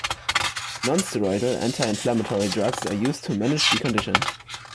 Non-steroidal anti-inflammatory drugs are used to manage the condition.